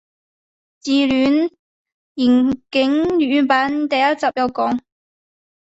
自戀刑警粵語版第一集有講